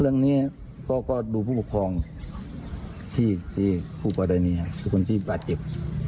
เรื่องเนี้ยก็ก็ดูผู้ปกครองที่ที่ผู้ปกรณีฮะที่คนที่บาดเจ็บ